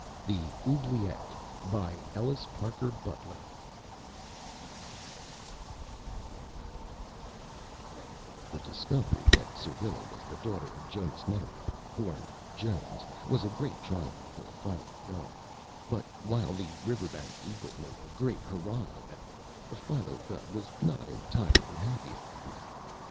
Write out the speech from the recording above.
THE OUBLIETTE The discovery that Syrilla was the daughter of Jonas Medderbrook (born Jones) was a great triumph for Philo Gubb, but while the "Riverbank Eagle" made a great hurrah about it, Philo Gubb was not entirely happy over the matter.